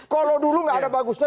kalau dulu nggak ada bagusnya